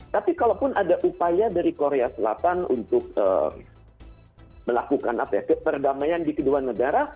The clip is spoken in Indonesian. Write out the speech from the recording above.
tapi kalau pun ada upaya dari korea selatan untuk melakukan keperdamainan di kedua negara